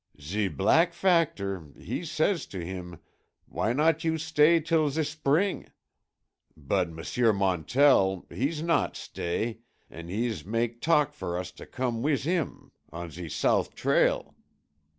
"Ze Black Factor hees say to heem, 'w'y not you stay teel ze spreeng,' but M'sieu Montell hees not stay, an' hees mak talk for us to com' wees heem on ze sout' trail.